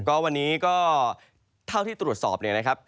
ก็วันนี้ก็เท่าที่ตรวจสอบเนี่ยนะครับ